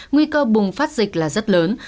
nguy cơ bùng phát dịch là rất lớn